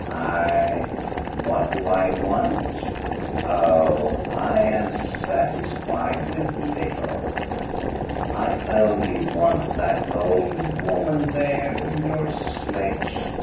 "I — what do I want ? Oh, I am satisfied with little. I only want that old woman there in your sledge.